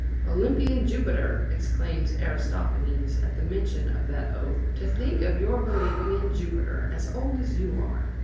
"Olympian Jupiter!" exclaims Aristophanes, at the mention of that oath, "to think of your believing in Jupiter, as old as you are!"